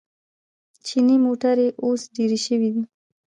چیني موټرې اوس ډېرې شوې دي.